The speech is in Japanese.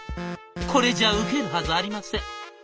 これじゃあウケるはずありません」。